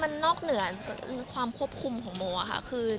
มันนอกเหนือความควบคุมของโมอะค่ะ